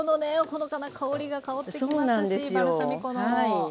ほのかな香りが香ってきますしバルサミコの。